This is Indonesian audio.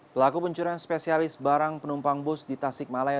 pelaku pencurian spesialis barang penumpang bus di tasik malaya